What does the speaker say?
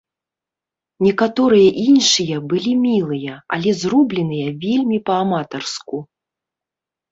Некаторыя іншыя былі мілыя, але зробленыя вельмі па-аматарску.